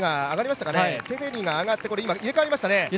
テフェリが上がって、今入れ替わりましたね。